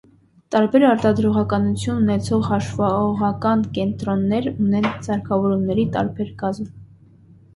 Տարբեր արտադրողականություն ունեցող հաշվողական կենտրոնները ունեն սարքավորումների տարբեր կազմ։